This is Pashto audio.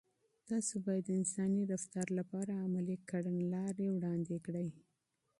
تاسو باید د انساني رفتار لپاره عملي کړنلارې وړاندې کړئ.